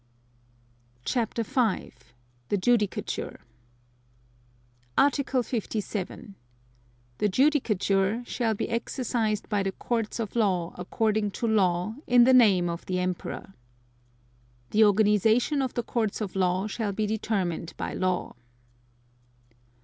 CHAPTER V. THE JUDICATURE Article 57. The Judicature shall be exercised by the Courts of Law according to law, in the name of the Emperor. (2) The organization of the Courts of Law shall be determined by law.